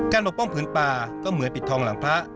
ปกป้องผืนป่าก็เหมือนปิดทองหลังพระ